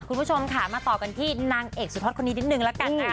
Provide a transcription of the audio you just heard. คุณผู้ชมค่ะมาต่อกันที่นางเอกสุดฮอตคนนี้นิดนึงละกันนะ